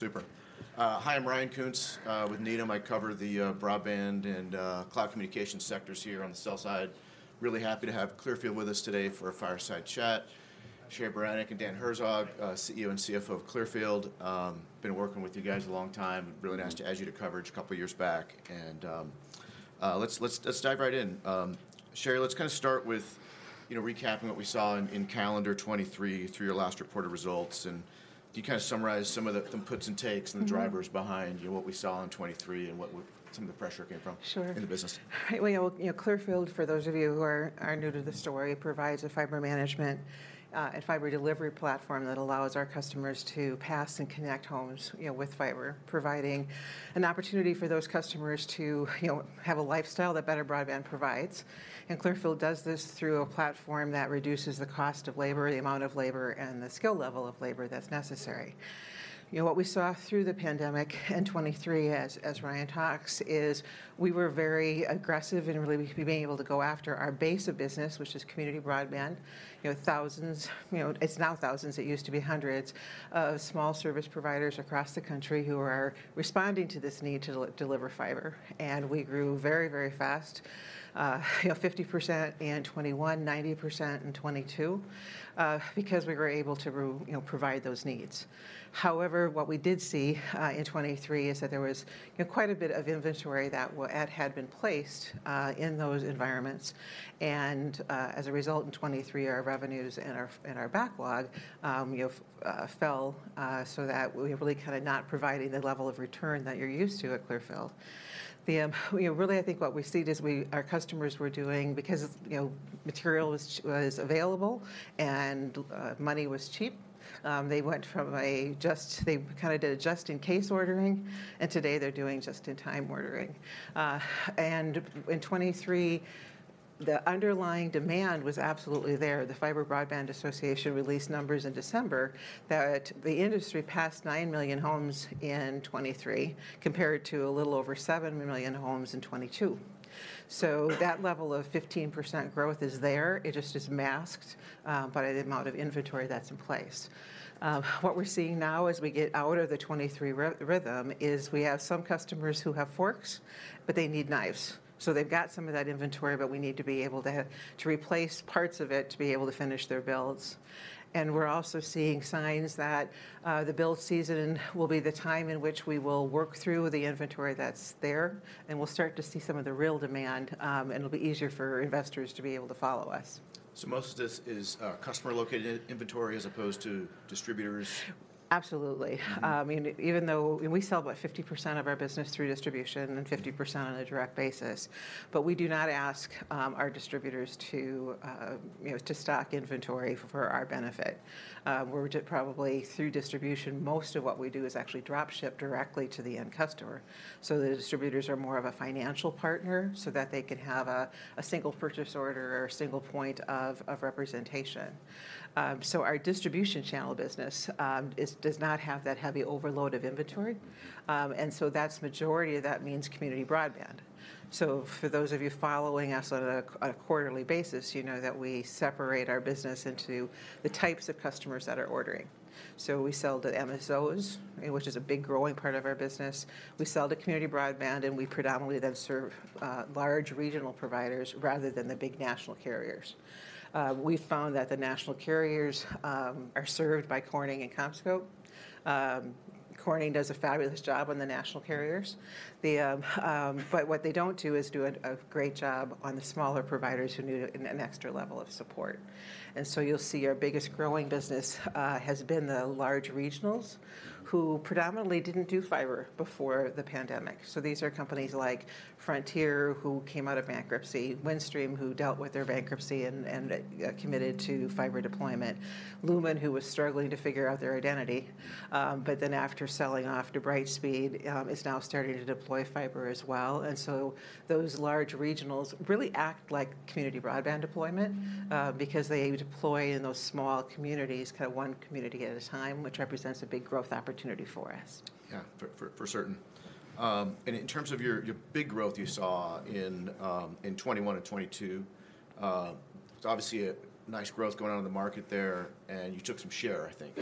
Super. Hi, I'm Ryan Koontz with Needham. I cover the broadband and cloud communication sectors here on the sell side. Really happy to have Clearfield with us today for a fireside chat. Cheri Beranek and Dan Herzog, CEO and CFO of Clearfield. Been working with you guys a long time. Really nice to add you to coverage a couple years back, and let's dive right in. Cheri, let's kind of start with, you know, recapping what we saw in calendar 2023 through your last reported results, and can you kind of summarize some of the puts and takes and the drivers behind, you know, what we saw in 2023, and what were some of the pressure came from- Sure in the business? Right. Well, you know, Clearfield, for those of you who are new to the story, provides a fiber management and fiber delivery platform that allows our customers to pass and connect homes, you know, with fiber, providing an opportunity for those customers to, you know, have a lifestyle that better broadband provides. And Clearfield does this through a platform that reduces the cost of labor, the amount of labor, and the skill level of labor that's necessary. You know, what we saw through the pandemic in 2023 as Ryan talks, is we were very aggressive in really being able to go after our base of business, which is community broadband. You know, it's now thousands, it used to be hundreds, of small service providers across the country who are responding to this need to deliver fiber, and we grew very fast. You know, 50% in 2021, 90% in 2022, because we were able to, you know, provide those needs. However, what we did see in 2023 is that there was, you know, quite a bit of inventory that had been placed in those environments, and, as a result, in 2023, our revenues and our and our backlog, you know, fell, so that we were really kind of not providing the level of return that you're used to at Clearfield. You know, really I think what we've seen is our customers were doing, because, you know, material was was available, and, money was cheap, they went from a just. They kind of did a just-in-case ordering, and today they're doing just-in-time ordering. In 2023, the underlying demand was absolutely there. The Fiber Broadband Association released numbers in December that the industry passed nine million homes in 2023, compared to a little over seven million homes in 2022. So that level of 15% growth is there. It just is masked by the amount of inventory that's in place. What we're seeing now as we get out of the 2023 rhythm is we have some customers who have forks, but they need knives. So they've got some of that inventory, but we need to be able to replace parts of it to be able to finish their builds. We're also seeing signs that the build season will be the time in which we will work through the inventory that's there, and we'll start to see some of the real demand, and it'll be easier for investors to be able to follow us. Most of this is customer-located inventory as opposed to distributors? Absolutely. I mean, even though and we sell about 50% of our business through distribution and 50% on a direct basis, but we do not ask our distributors to you know to stock inventory for our benefit. We're probably through distribution, most of what we do is actually drop ship directly to the end customer. The distributors are more of a financial partner, so that they can have a single purchase order or a single point of representation. Our distribution channel business does not have that heavy overload of inventory, and so that's majority, that means community broadband. For those of you following us on a quarterly basis, you know that we separate our business into the types of customers that are ordering. We sell to MSOs, which is a big growing part of our business. We sell to community broadband, and we predominantly then serve large regional providers rather than the big national carriers. We found that the national carriers are served by Corning and CommScope. Corning does a fabulous job on the national carriers. What they don't do is do a great job on the smaller providers who need an extra level of support. And so you'll see our biggest growing business has been the large regionals, who predominantly didn't do fiber before the pandemic. These are companies like Frontier, who came out of bankruptcy, Windstream, who dealt with their bankruptcy and committed to fiber deployment. Lumen, who was struggling to figure out their identity, but then after selling off to Brightspeed, is now starting to deploy fiber as well. And so those large regionals really act like community broadband deployment because they deploy in those small communities, kind of one community at a time, which represents a big growth opportunity for us. Yeah, for certain. And in terms of your big growth you saw in 2021 and 2022, so obviously a nice growth going on in the market there, and you took some share, I think.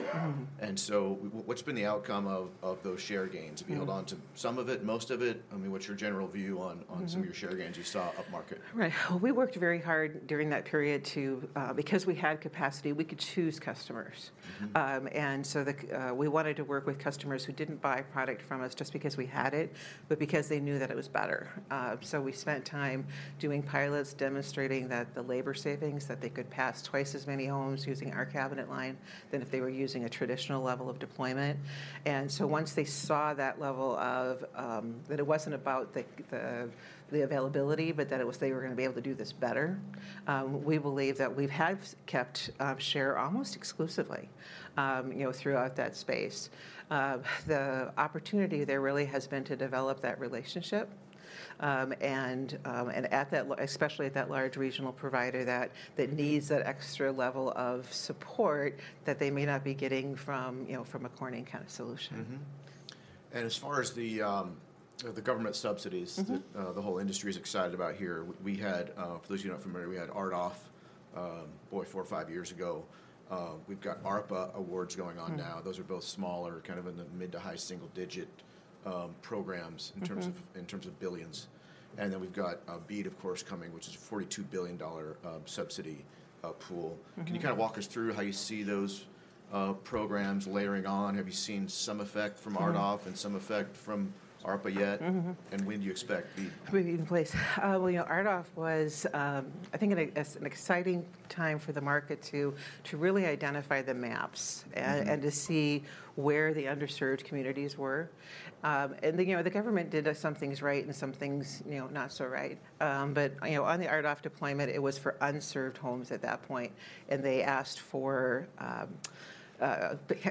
And so, what's been the outcome of those share gains? Have you held on to some of it, most of it? I mean, what's your general view on some of your share gains you saw upmarket? Right. Well, we worked very hard during that period to, because we had capacity, we could choose customers. We wanted to work with customers who didn't buy product from us just because we had it, but because they knew that it was better. We spent time doing pilots, demonstrating that the labor savings, that they could pass twice as many homes using our cabinet line than if they were using a traditional level of deployment. Once they saw that level of, that it wasn't about the availability, but that it was, they were going to be able to do this better, we believe that we've have kept share almost exclusively, you know, throughout that space. The opportunity there really has been to develop that relationship, and especially at that large regional provider that needs that extra level of support that they may not be getting from, you know, from a Corning kind of solution. As far as the government subsidies the whole industry is excited about here. We had, for those of you not familiar, we had RDOF, boy, four or five years ago. We've got ARPA awards going on now. Those are both smaller, kind of in the mid to high single digit, programs in terms of billions. Then we've got BEAD, of course, coming, which is a $42 billion subsidy pool. Can you kind of walk us through how you see those programs layering on? Have you seen some effect from RDOF and some effect from ARPA yet? When do you expect BEAD? BEAD in place. Well, you know, RDOF was, I think, an exciting time for the market to, to really identify the maps and to see where the underserved communities were. And, you know, the government did some things right and some things, you know, not so right. But, you know, on the RDOF deployment, it was for unserved homes at that point, and they asked for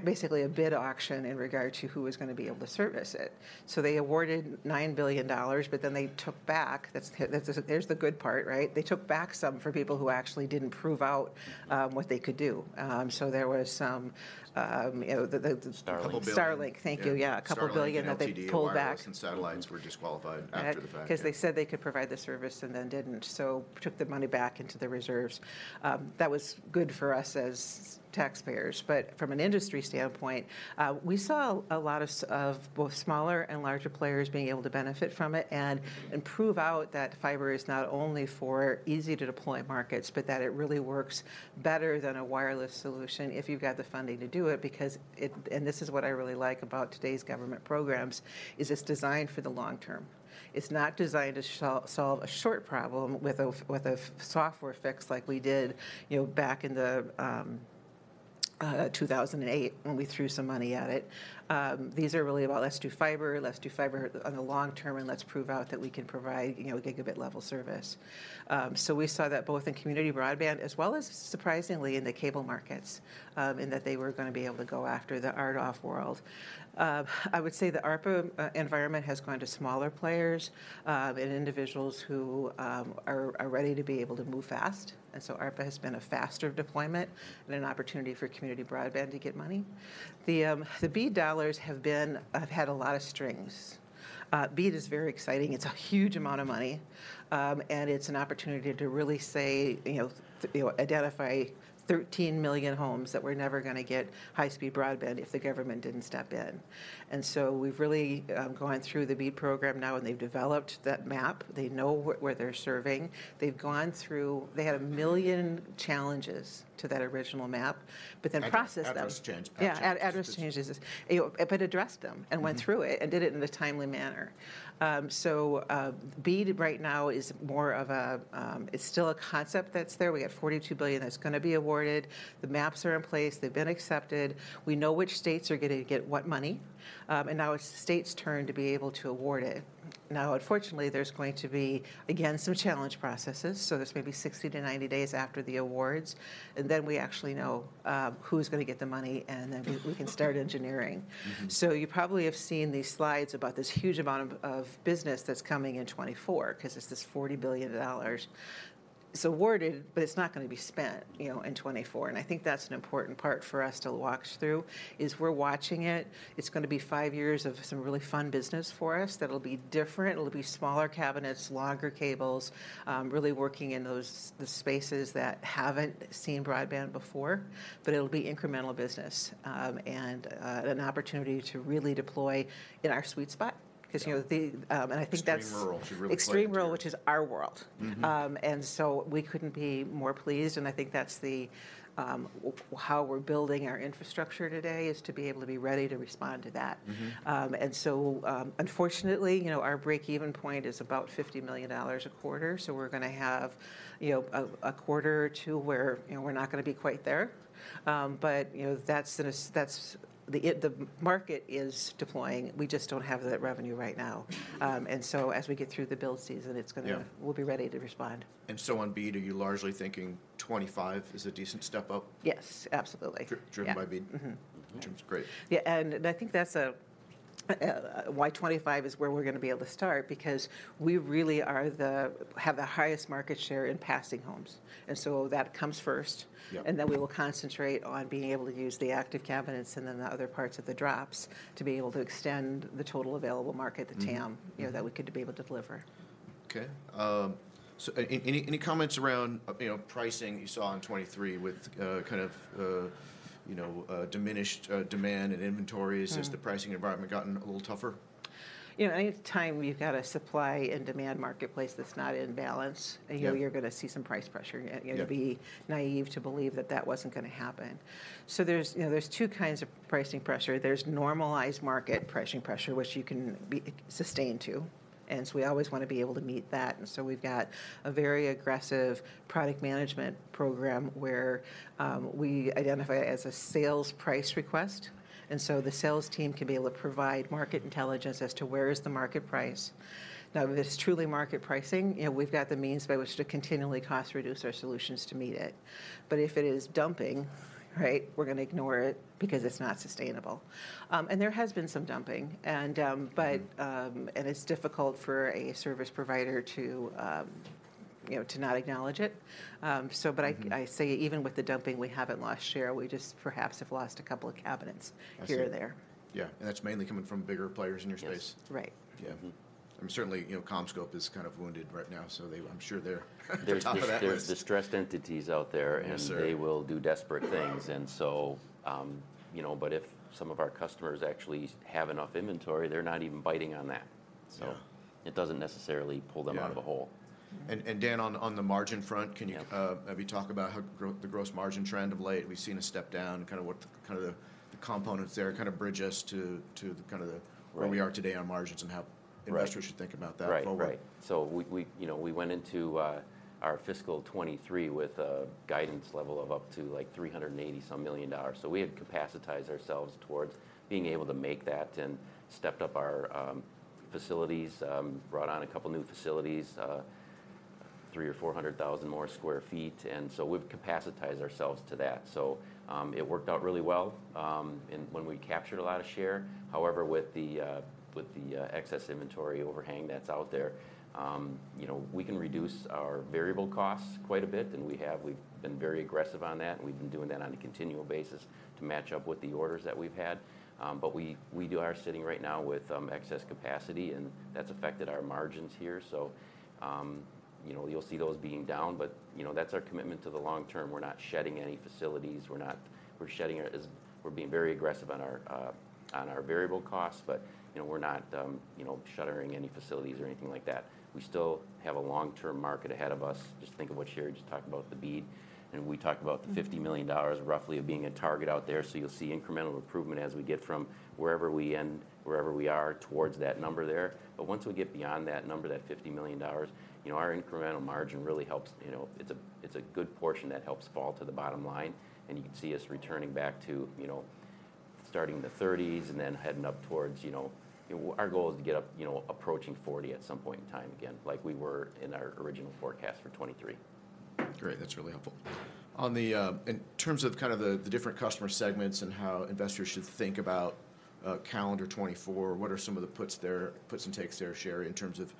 basically a bid auction in regard to who was gonna be able to service it. So they awarded $9 billion, but then they took back, that's the good part, right? They took back some from people who actually didn't prove out what they could do. So there was some, the- Starlink. Starlink, thank you. Yeah. Yeah, $2 billion that they pulled back. Starlink and LTD Wireless and Satellites were disqualified after the fact. Because they said they could provide the service and then didn't, so took the money back into the reserves. That was good for us as taxpayers. But from an industry standpoint, we saw a lot of both smaller and larger players being able to benefit from it, and prove out that fiber is not only for easy-to-deploy markets, but that it really works better than a wireless solution if you've got the funding to do it, because this is what I really like about today's government programs, is it's designed for the long term. It's not designed to solve a short problem with a software fix like we did, you know, back in the 2008, when we threw some money at it. These are really about let's do fiber, let's do fiber on the long term, and let's prove out that we can provide, you know, gigabit-level service. So we saw that both in community broadband as well as, surprisingly, in the cable markets, in that they were gonna be able to go after the RDOF world. I would say the ARPA environment has gone to smaller players, and individuals who are ready to be able to move fast, and so ARPA has been a faster deployment, and an opportunity for community broadband to get money. The BEAD dollars have had a lot of strings. BEAD is very exciting. It's a huge amount of money, and it's an opportunity to really say, you know, you know, identify 13 million homes that were never gonna get high-speed broadband if the government didn't step in. And so we've really gone through the BEAD program now, and they've developed that map. They know where they're serving. They've gone through, they had million challenges to that original map, but then processed them. Address change patches. Yeah, address changes, you know, but addressed them and went through it, and did it in a timely manner. So, BEAD right now is more of a, it's still a concept that's there. We got $42 billion that's gonna be awarded. The maps are in place. They've been accepted. We know which states are gonna get what money, and now it's the states' turn to be able to award it. Now, unfortunately, there's going to be, again, some challenge processes, so there's maybe 60 to 90 days after the awards, and then we actually know, who's gonna get the money, and then we can start engineering. So you probably have seen these slides about this huge amount of business that's coming in 2024, because it's this $40 billion. It's awarded, but it's not gonna be spent, you know, in 2024, and I think that's an important part for us to walk through, is we're watching it. It's gonna be five years of some really fun business for us that'll be different. It'll be smaller cabinets, longer cables, really working in those, the spaces that haven't seen broadband before. But it'll be incremental business, and an opportunity to really deploy in our sweet spot because, you know, and I think that's- Extreme rural, which really plays to you. Extreme rural, which is our world. So we couldn't be more pleased, and I think that's the how we're building our infrastructure today, is to be able to be ready to respond to that. Unfortunately, you know, our break-even point is about $50 million a quarter, so we're gonna have, you know, a quarter or two where, you know, we're not gonna be quite there. But, you know, that's it, the market is deploying. We just don't have that revenue right now. And so as we get through the build season, it's gonna, we'll be ready to respond. On BEAD, are you largely thinking 2025 is a decent step-up? Yes, absolutely. driven by BEAD? Which is great. Yeah, and I think that's why 2025 is where we're gonna be able to start, because we really are the, have the highest market share in passing homes, and so that comes first. Yeah. Then we will concentrate on being able to use the active cabinets and then the other parts of the drops to be able to extend the total available market, the TAM, you know, that we could be able to deliver. Okay, so any comments around, you know, pricing you saw in 2023 with kind of, you know, diminished demand and inventories? Has the pricing environment gotten a little tougher? You know, any time you've got a supply and demand marketplace that's not in balance- you know you're gonna see some price pressure. Yeah. You'd be naive to believe that that wasn't gonna happen. There's, you know, there's two kinds of pricing pressure. There's normalized market pricing pressure, which you can sustain to, and so we always want to be able to meet that, and so we've got a very aggressive product management program where we identify a sales price request, and so the sales team can be able to provide market intelligence as to where is the market price. Now, if it's truly market pricing, you know, we've got the means by which to continually cost reduce our solutions to meet it. But if it is dumping, right, we're gonna ignore it, because it's not sustainable. And there has been some dumping. It's difficult for a service provider to, you know, to not acknowledge it. I say even with the dumping we have in last year, we just perhaps have lost a couple of cabinets, here or there. Yeah, and that's mainly coming from bigger players in your space? Yes. Right. Yeah. I mean, certainly, you know, CommScope is kind of wounded right now, so they, I'm sure they're at the top of that list. There's distressed entities out there- Yes, sir... and they will do desperate things, and so, you know, but if some of our customers actually have enough inventory, they're not even biting on that. Yeah. So it doesn't necessarily pull them out of the hole. And Dan, on the margin front, can you- Yeah... have you talk about how the gross margin trend of late? We've seen a step down, kind of what the components there. Kind of bridge us to the kind of the- Right... where we are today on margins and how- Right... investors should think about that going forward. Right. So we, you know, we went into our fiscal 2023 with a guidance level of up to, like, $380-some million. So we had capacitated ourselves towards being able to make that and stepped up our facilities, brought on a couple new facilities, 300,000 to 400,000 more square feet, and so we've capacitated ourselves to that. So, it worked out really well, in when we captured a lot of share. However, with the excess inventory overhang that's out there, you know, we can reduce our variable costs quite a bit, and we have. We've been very aggressive on that, and we've been doing that on a continual basis to match up with the orders that we've had. But we do are sitting right now with excess capacity, and that's affected our margins here. So, you know, you'll see those being down, but, you know, that's our commitment to the long term. We're not shedding any facilities. We're being very aggressive on our variable costs, but, you know, we're not, you know, shuttering any facilities or anything like that. We still have a long-term market ahead of us. Just think of what Cheri just talked about, the BEAD, and we talked about the $50 million roughly of being a target out there. So you'll see incremental improvement as we get from wherever we end, wherever we are, towards that number there. But once we get beyond that number, that $50 million, you know, our incremental margin really helps. You know, it's a, it's a good portion that helps fall to the bottom line, and you can see us returning back to, you know, starting in the 30s and then heading up towards. Our goal is to get up, you know, approaching 40 at some point in time again, like we were in our original forecast for 2023. Great, that's really helpful. On the, in terms of kind of the, the different customer segments and how investors should think about, calendar 2024, what are some of the puts there, puts and takes there, Cheri, in terms of,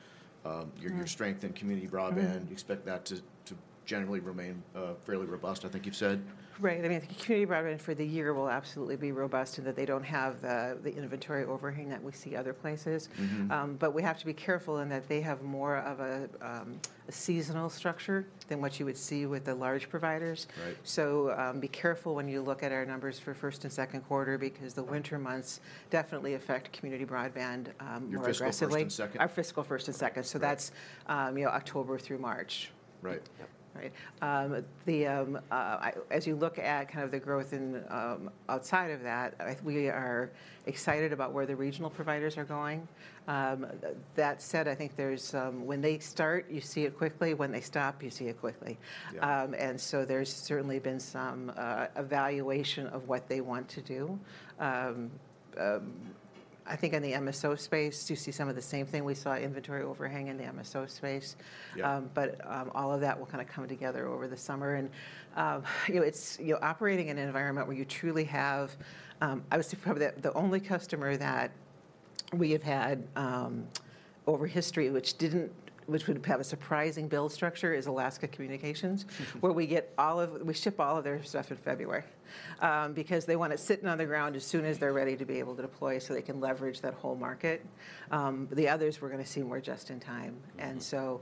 your strength in community broadband? You expect that to generally remain fairly robust, I think you've said. Right. I mean, the community broadband for the year will absolutely be robust in that they don't have the inventory overhang that we see other places. But we have to be careful in that they have more of a seasonal structure than what you would see with the large providers. Right. Be careful when you look at our numbers for Q1 and Q2, because the winter months definitely affect community broadband more aggressively. Your fiscal first and second? Our fiscal first and second. Okay. Got it. That's, you know, October through March. Right. Yep. Right. As you look at kind of the growth in outside of that, we are excited about where the regional providers are going. That said, I think there's when they start, you see it quickly. When they stop, you see it quickly. Yeah. So there's certainly been some evaluation of what they want to do. I think in the MSO space, you see some of the same thing. We saw inventory overhang in the MSO space. Yeah. But all of that will kind of come together over the summer. You know, it's you know operating in an environment where you truly have. I would say probably the only customer that we have had over history which would have a surprising bill structure is Alaska Communications, where we get all of we ship all of their stuff in February, because they want it sitting on the ground as soon as they're ready to be able to deploy, so they can leverage that whole market. The others we're gonna see more just in time. And so,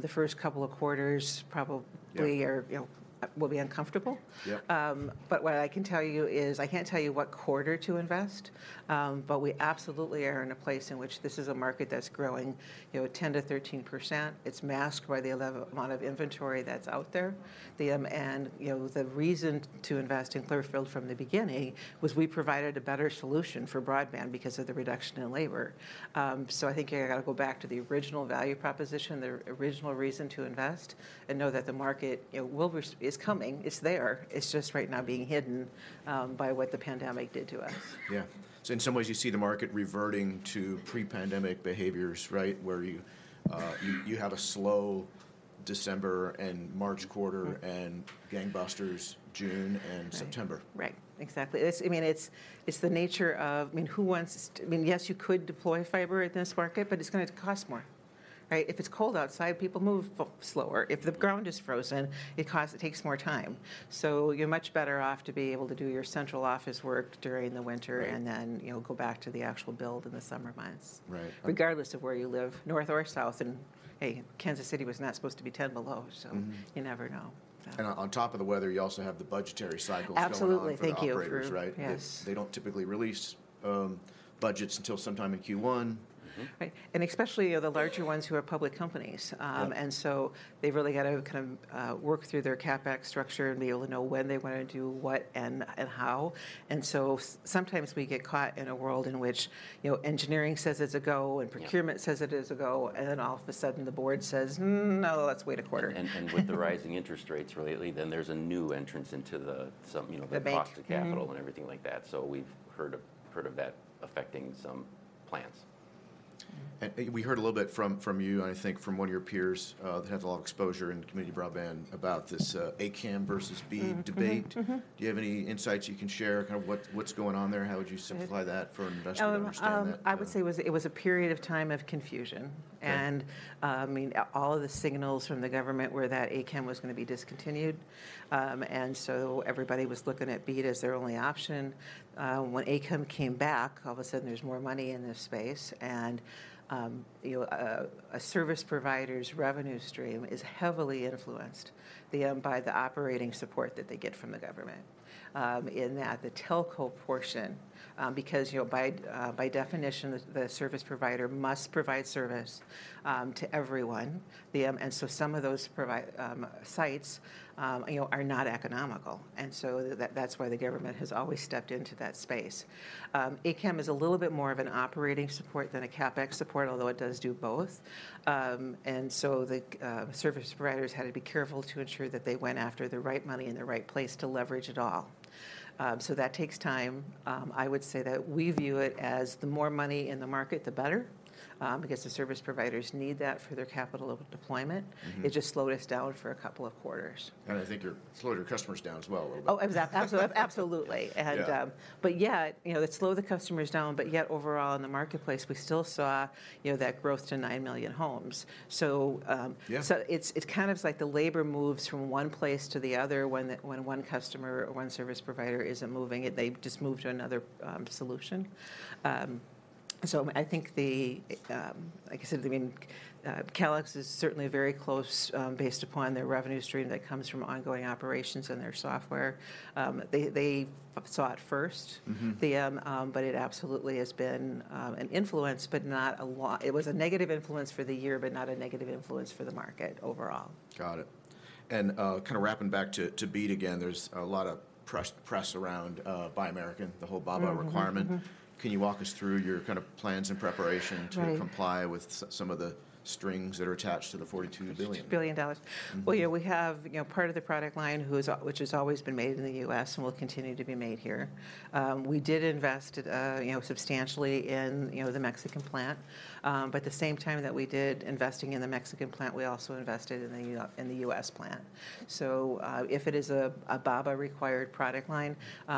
the first couple of quarters probably or will be uncomfortable. Yep. But what I can tell you is, I can't tell you what quarter to invest, but we absolutely are in a place in which this is a market that's growing, you know, 10% to 13%. It's masked by the amount of inventory that's out there. You know, the reason to invest in Clearfield from the beginning was we provided a better solution for broadband because of the reduction in labor. So I think you've got to go back to the original value proposition, the original reason to invest, and know that the market, it will. It's coming. It's there. It's just right now being hidden by what the pandemic did to us. Yeah. So in some ways, you see the market reverting to pre-pandemic behaviors, right? Where you have a slow December and March quarter and gangbusters June and September. Right. Exactly. I mean, you could deploy fiber in this market, but it's gonna cost more, right? If it's cold outside, people move fucking slower. Yep. If the ground is frozen, it costs, it takes more time. So you're much better off to be able to do your central office work during the winter and then, you know, go back to the actual build in the summer months-regardless of where you live, North or South. Hey, Kansas City was not supposed to be 10 below, so you never know. On top of the weather, you also have the budgetary cycles going on- Absolutely. Thank you, Drew. for the operators, right? Yes. They, they don't typically release budgets until sometime in Q1. Right, and especially, you know, the larger ones who are public companies. Yep. So they've really got to kind of work through their CapEx structure and be able to know when they want to do what and how. So sometimes we get caught in a world in which, you know, engineering says it's a go, and procurement-.. says it is a go, and then all of a sudden the board says, "Mm, no, let's wait a quarter. With the rising interest rates lately, then there's a new entrance into the, some, you know- The bank... the cost of capital and everything like that. So we've heard of that affecting some plans. We heard a little bit from you, and I think from one of your peers that have a lot of exposure in community broadband about this A-CAM versus BEAD debate. Do you have any insights you can share? Kind of what, what's going on there? How would you simplify that for an investor to understand that? I would say it was a period of time of confusion. Okay. I mean, all of the signals from the government were that A-CAM was gonna be discontinued. So everybody was looking at BEAD as their only option. When A-CAM came back, all of a sudden there's more money in this space, and, you know, a service provider's revenue stream is heavily influenced by the operating support that they get from the government. In that the telco portion, because, you know, by definition, the service provider must provide service to everyone. Some of those provider sites, you know, are not economical, and so that's why the government has always stepped into that space. A-CAM is a little bit more of an operating support than a CapEx support, although it does do both. The service providers had to be careful to ensure that they went after the right money in the right place to leverage it all. So that takes time. I would say that we view it as the more money in the market, the better, because the service providers need that for their capital deployment. It just slowed us down for a couple of quarters. I think it slowed your customers down as well a little bit. Oh, absolutely. Yeah. It slowed the customers down, but yet overall in the marketplace, we still saw, you know, that growth to 9 million homes. So it's like the labor moves from one place to the other when one customer or one service provider isn't moving, they just move to another solution. So I think, like I said, I mean, Calix is certainly very close, based upon their revenue stream that comes from ongoing operations and their software. They, they saw it first. But it absolutely has been an influence, it was a negative influence for the year, but not a negative influence for the market overall. Got it. And kind of wrapping back to BEAD again, there's a lot of press around Buy American, the whole BABA requirement. Can you walk us through your kind of plans and preparation? Right To comply with some of the strings that are attached to the $42 billion? Billion dollars. We have, you know, part of the product line which has always been made in the U.S. and will continue to be made here. We did invest, you know, substantially in, you know, the Mexican plant. But the same time that we did investing in the Mexican plant, we also invested in the U.S. plant. So, if it is a BABA-required product line,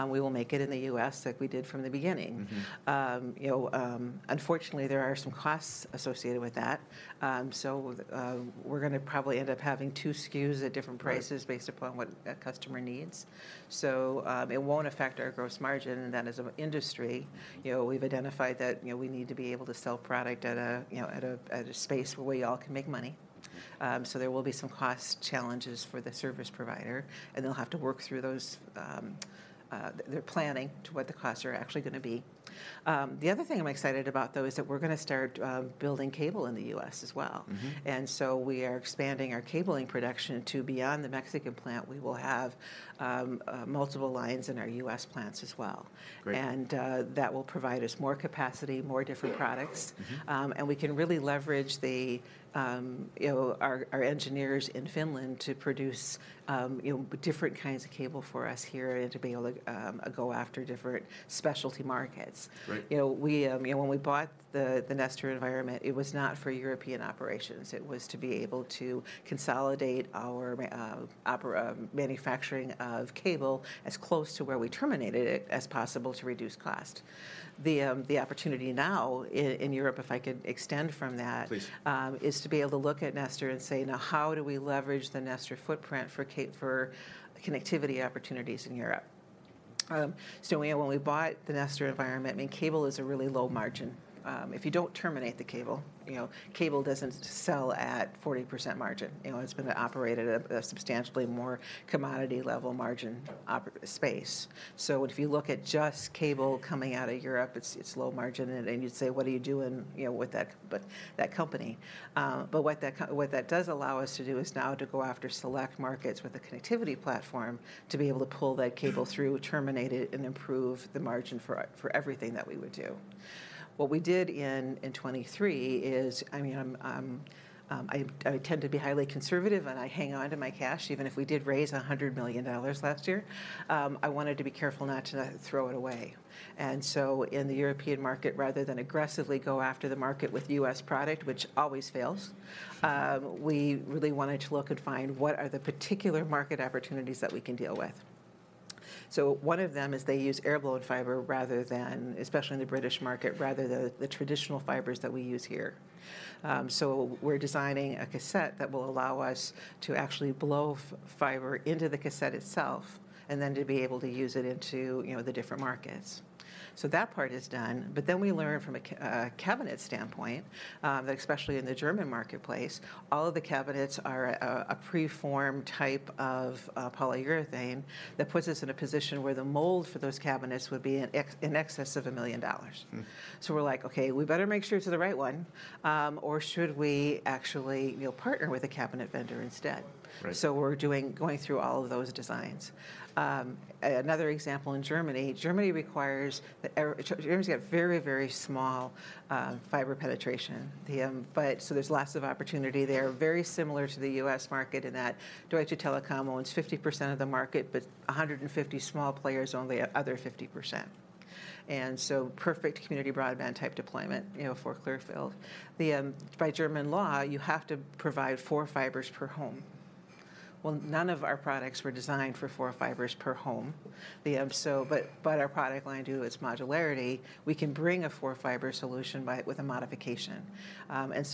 we will make it in the U.S. like we did from the beginning. You know, unfortunately, there are some costs associated with that. So, we're gonna probably end up having two SKUs at different prices based upon what a customer needs. It won't affect our gross margin, and that as an industry, you know, we've identified that, you know, we need to be able to sell product at a, you know, at a, at a space where we all can make money. So there will be some cost challenges for the service provider, and they'll have to work through those, their planning to what the costs are actually gonna be. The other thing I'm excited about, though, is that we're gonna start, building cable in the U.S. as well. We are expanding our cabling production to beyond the Mexican plant. We will have multiple lines in our U.S. plants as well. Great. That will provide us more capacity, more different products. We can really leverage the, you know, our engineers in Finland to produce, you know, different kinds of cable for us here and to be able to go after different specialty markets. Right. When we bought the Nestor environment, it was not for European operations. It was to be able to consolidate our manufacturing of cable as close to where we terminated it as possible to reduce cost. The opportunity now in Europe, if I could extend from that, is to be able to look at Nestor and say, "Now, how do we leverage the Nestor footprint for for connectivity opportunities in Europe?" So when we, when we bought the Nestor environment, I mean, cable is a really low margin. If you don't terminate the cable, you know, cable doesn't sell at 40% margin. You know, it's been operated at a substantially more commodity-level margin space. So if you look at just cable coming out of Europe, it's low margin, and you'd say: What are you doing, you know, with that company? But what that does allow us to do is now to go after select markets with a connectivity platform, to be able to pull that cable through, terminate it, and improve the margin for everything that we would do. What we did in 2023 is I tend to be highly conservative, and I hang on to my cash. Even if we did raise $100 million last year, I wanted to be careful not to throw it away. And so in the European market, rather than aggressively go after the market with U.S. product, which always fails, we really wanted to look and find what are the particular market opportunities that we can deal with. One of them is they use air-blown fiber rather than, especially in the British market, rather than the traditional fibers that we use here. We're designing a cassette that will allow us to actually blow fiber into the cassette itself, and then to be able to use it into, you know, the different markets. That part is done, but then we learn from a cabinet standpoint, that especially in the German marketplace, all of the cabinets are a preformed type of polyurethane. That puts us in a position where the mold for those cabinets would be in excess of $1 million. So we're like, "Okay, we better make sure it's the right one, or should we actually, you know, partner with a cabinet vendor instead? Right. We're going through all of those designs. Another example, in Germany. Germany's got very, very small fiber penetration. But so there's lots of opportunity there. Very similar to the U.S. market in that Deutsche Telekom owns 50% of the market, but 150 small players own the other 50%, and so perfect community broadband-type deployment, you know, for Clearfield. By German law, you have to provide 4 fibers per home. Well, none of our products were designed for 4 fibers per home. But our product line, due to its modularity, we can bring a 4-fiber solution with a modification.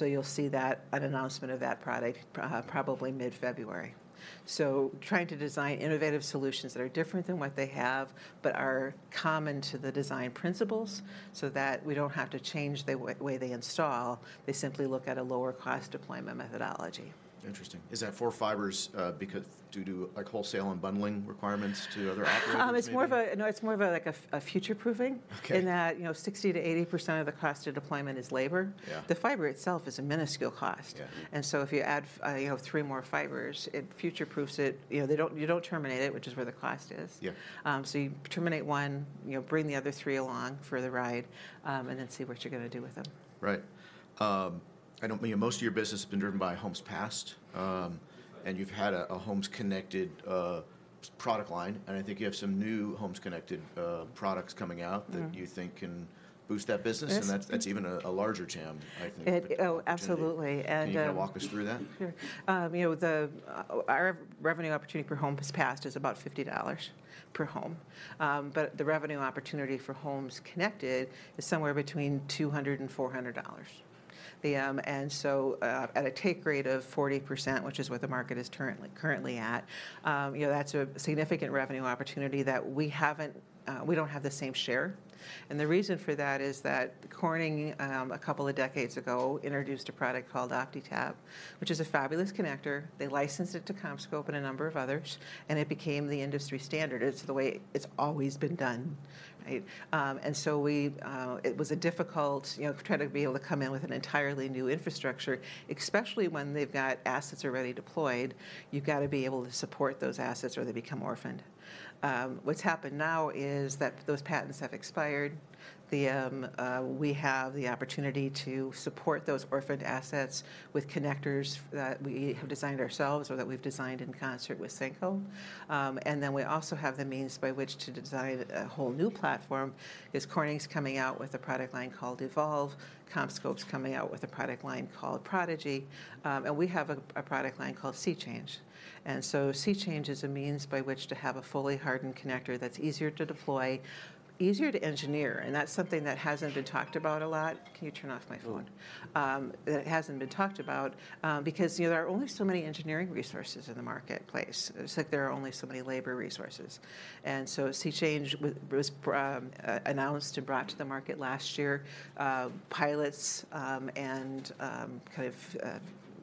You'll see that, an announcement of that product probably mid-February. Trying to design innovative solutions that are different than what they have, but are common to the design principles, so that we don't have to change the way they install, they simply look at a lower-cost deployment methodology. Interesting. Is that fou t fibers, because due to, like, wholesale and bundling requirements to other operators maybe? It's more of a, like a, future-proofing. Okay In that, you know, 60% to 80% of the cost of deployment is labor. Yeah. The fiber itself is a minuscule cost. Yeah. And so if you add, you know, three more fibers, it future-proofs it. You know, they don't, you don't terminate it, which is where the cost is. Yeah. So you terminate one, you know, bring the other three along for the ride, and then see what you're gonna do with them. Right. I know, I mean, most of your business has been driven by Homes Passed, and you've had a Homes Connected product line, and I think you have some new Homes Connected products coming out that you think can boost that business? Yes. That's even a larger TAM, I think, opportunity. Oh, absolutely. Can you kind of walk us through that? Sure. You know, the our revenue opportunity per Homes Passed is about $50 per home. But the revenue opportunity for Homes Connected is somewhere between $200 and $400. And so, at a take rate of 40%, which is what the market is currently at, you know, that's a significant revenue opportunity that we haven't, we don't have the same share. The reason for that is that Corning, a couple of decades ago, introduced a product called OptiTap, which is a fabulous connector. They licensed it to CommScope and a number of others, and it became the industry standard. It's the way it's always been done, right? And so we, it was a difficult to try to be able to come in with an entirely new infrastructure, especially when they've got assets already deployed. You've got to be able to support those assets, or they become orphaned. What's happened now is that those patents have expired. We have the opportunity to support those orphaned assets with connectors that we have designed ourselves, or that we've designed in concert with Senko. And then we also have the means by which to design a whole new platform, because Corning's coming out with a product line called Evolv, CommScope's coming out with a product line called Prodigy, and we have a product line called SeeChange. And so SeeChange is a means by which to have a fully hardened connector that's easier to deploy, easier to engineer, and that's something that hasn't been talked about a lot. It hasn't been talked about, because, you know, there are only so many engineering resources in the marketplace, just like there are only so many labor resources. SeeChange was announced and brought to the market last year. Pilots and kind of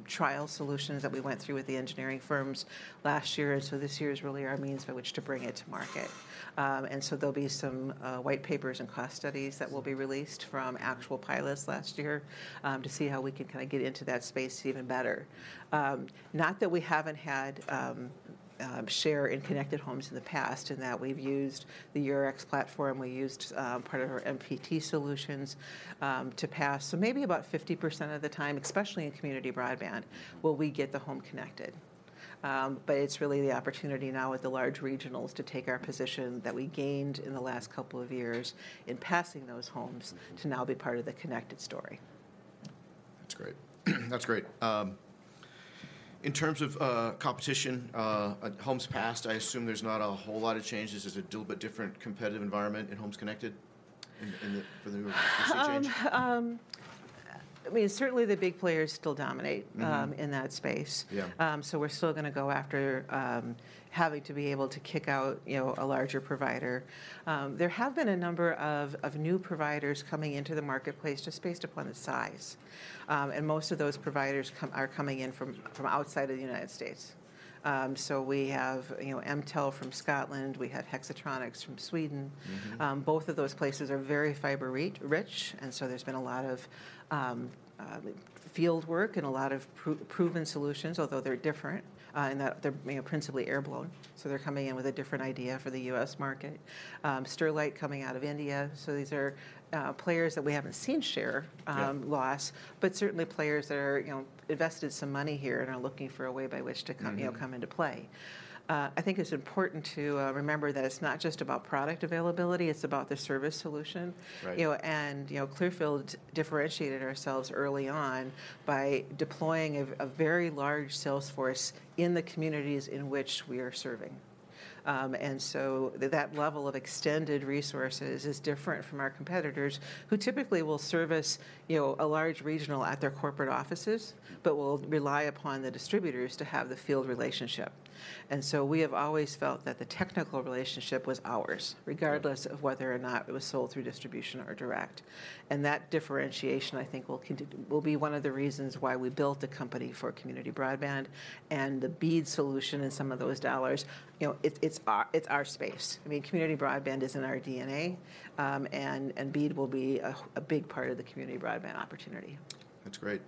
trial solutions that we went through with the engineering firms last year, and so this year is really our means by which to bring it to market. And so there'll be some white papers and cost studies that will be released from actual pilots last year, to see how we can kind of get into that space even better. Not that we haven't had share in connected homes in the past, in that we've used the YOURx platform, we used part of our MPT solutions, to pass. So maybe about 50% of the time, especially in Community broadband will we get the home connected. But it's really the opportunity now with the large regionals to take our position that we gained in the last couple of years in passing those homes, to now be part of the connected story. That's great. That's great. In terms of competition, homes passed, I assume there's not a whole lot of changes. Is it a little bit different competitive environment in Homes Connected in the, for the new SeeChange? I mean, certainly the big players still dominate in that space. Yeah. So we're still gonna go after, having to be able to kick out, you know, a larger provider. There have been a number of, of new providers coming into the marketplace, just based upon the size. And most of those providers are coming in from, from outside of the United States. So we have, you know, Emtelle from Scotland, we have Hexatronic from Sweden. Both of those places are very fiber-rich, and so there's been a lot of field work and a lot of proven solutions, although they're different in that they're, you know, principally air-blown, so they're coming in with a different idea for the U.S. market. Sterlite coming out of India, so these are players that we haven't seen share. Yeah Certainly players that are, you know, invested some money here and are looking for a way by which to come into play. I think it's important to remember that it's not just about product availability, it's about the service solution. Right. Clearfield differentiated ourselves early on by deploying a very large sales force in the communities in which we are serving. And so that level of extended resources is different from our competitors, who typically will service, you know, a large regional at their corporate offices but will rely upon the distributors to have the field relationship. So we have always felt that the technical relationship was ours. Regardless of whether or not it was sold through distribution or direct, and that differentiation, I think, will be one of the reasons why we built the company for community broadband and the BEAD solution and some of those dollars. You know, it's our space. I mean, community broadband is in our DNA, and BEAD will be a big part of the community broadband opportunity. That's great.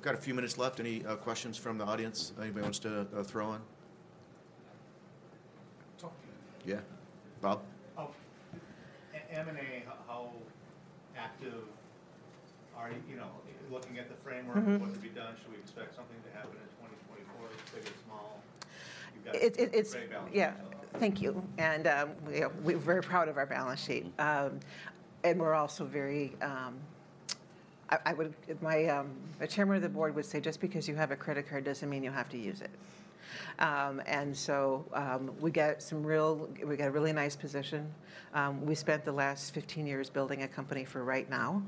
We've got a few minutes left. Any questions from the audience anybody wants to throw in? Talk to you. Yeah. Rob? Oh, M&A, how active are you, you know, looking at the framework... what could be done? Should we expect something to happen in 2024, big or small? You've got? Yeah. Thank you, and we're very proud of our balance sheet. If the chairman of the board would say, "Just because you have a credit card doesn't mean you have to use it." And so, we got a really nice position. We spent the last 15 years building a company for right now,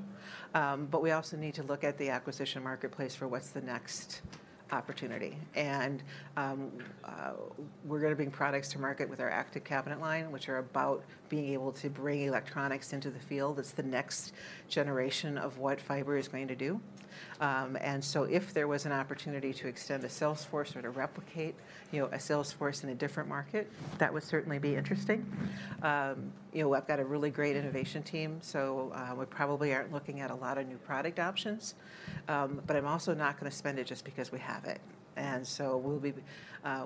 but we also need to look at the acquisition marketplace for what's the next opportunity. We're gonna bring products to market with our active cabinet line, which are about being able to bring electronics into the field. It's the next generation of what fiber is going to do. If there was an opportunity to extend a sales force or to replicate, you know, a sales force in a different market, that would certainly be interesting. You know, I've got a really great innovation team, so we probably aren't looking at a lot of new product options. But I'm also not gonna spend it just because we have it, and so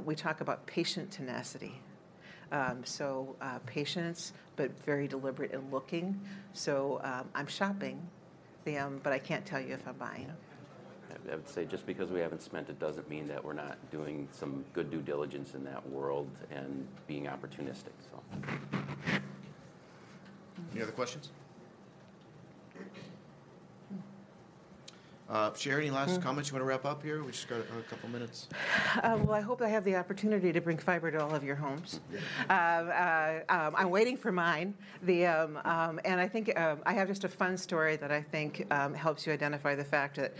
we talk about patient tenacity. So, patience, but very deliberate in looking. So, I'm shopping, but I can't tell you if I'm buying. I would say just because we haven't spent it, doesn't mean that we're not doing some good due diligence in that world and being opportunistic so. Any other questions? Cheri, any last comments you wanna wrap up here? We've just got a couple minutes. Well, I hope I have the opportunity to bring fiber to all of your homes. I'm waiting for mine. I think I have just a fun story that I think helps you identify the fact that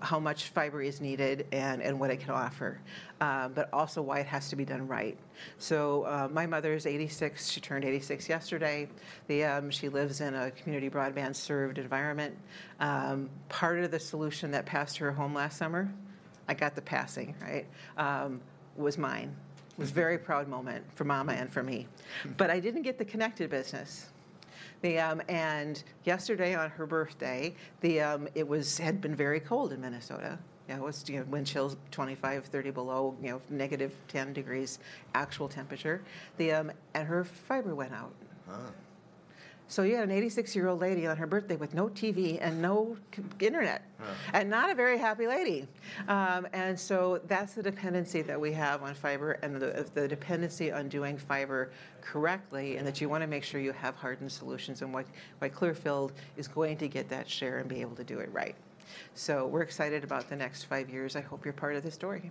how much fiber is needed and what it can offer, but also why it has to be done right. So, my mother is 86. She turned 86 yesterday. She lives in a community broadband-served environment. Part of the solution that passed her home last summer, I got the passing, right, was mine. It was a very proud moment for Mama and for me. But I didn't get the connected business. Yesterday, on her birthday, it was, had been very cold in Minnesota. It was, you know, wind chills 25, 30 below, you know, negative 10 degrees actual temperature and her fiber went out. So you had an 86-year-old lady on her birthday with no TV and no cable internet and not a very happy lady. That's the dependency that we have on fiber and the dependency on doing fiber correctly, and that you wanna make sure you have hardened solutions, and why Clearfield is going to get that share and be able to do it right. So we're excited about the next five years. I hope you're part of the story.